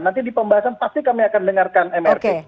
nanti di pembahasan pasti kami akan dengarkan mrt